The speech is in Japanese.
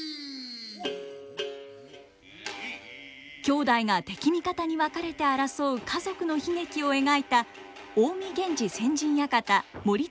兄弟が敵味方に分かれて争う家族の悲劇を描いた「近江源氏先陣館盛綱陣屋」。